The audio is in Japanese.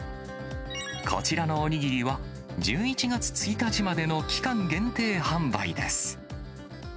こちらのお握りは、１１月１日までの期間限定販売です。